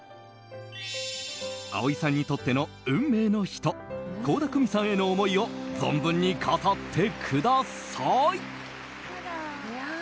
蒼井さんにとっての運命の人倖田來未さんへの思いを存分に語ってください！